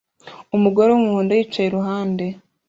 Umugore wumuhondo yicaye iruhande